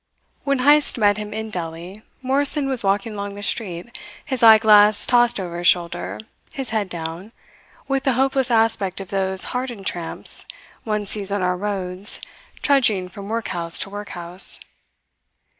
When Heyst met him in Delli, Morrison was walking along the street, his eyeglass tossed over his shoulder, his head down, with the hopeless aspect of those hardened tramps one sees on our roads trudging from workhouse to workhouse.